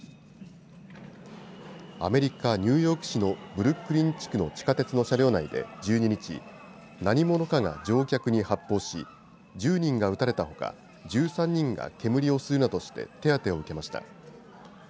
アメリカ・ニューヨーク市のブルックリン地区の地下鉄の車両内で１２日、何者かが乗客に発砲し１０人が撃たれたほか１３人が煙を吸うなどして手当てを受けました。